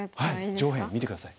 上辺見て下さい。